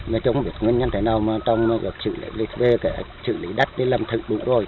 nói chung là nguyên nhân thế nào mà trồng được trự lý đắt đi làm thịt đúng rồi